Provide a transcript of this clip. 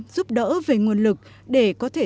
giúp đỡ về nguồn lực để có thể